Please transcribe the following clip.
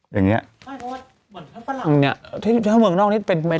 ความว่างแบบเมืองนอกนี้เป็นไหม